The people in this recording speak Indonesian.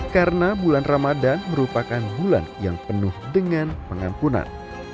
karena bulan ramadan merupakan bulan yang penuh dengan pengampunan